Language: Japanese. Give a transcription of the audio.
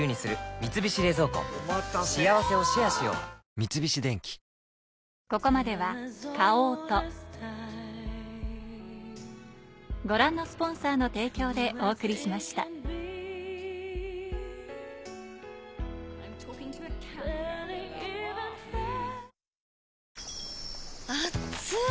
三菱電機あっつい！